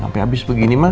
sampai habis begini mah